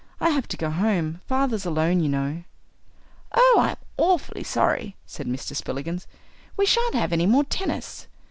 I have to go home; father's alone, you know." "Oh, I'm awfully sorry," said Mr. Spillikins; "we shan't have any more tennis."